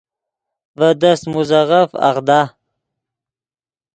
ڤے دست موزیغف آغدا